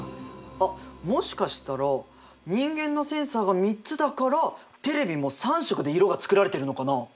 あもしかしたら人間のセンサーが３つだからテレビも３色で色が作られてるのかな？